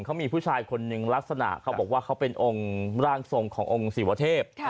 เขามีผู้ชายคนหนึ่งลักษณะเขาบอกว่าเขาเป็นองค์ร่างทรงขององค์ศิวเทพ